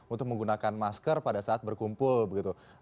untuk menggunakan masker pada saat berkumpul begitu